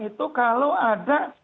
itu kalau ada